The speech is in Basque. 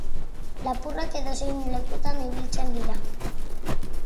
Lapurrak edozein lekutan ibiltzen dira.